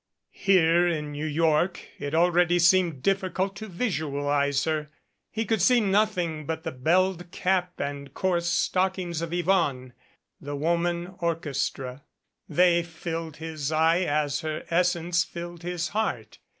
Here in New York it already seemed difficult to visualize her. He could see nothing but the belled cap and coarse stockings of Yvonne, the "woman orchestra." They filled his eye as her essence filled his heart.